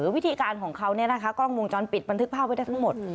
วิธีการของเขากล้องวงจรปิดบันทึกภาพไว้ได้ทั้งหมด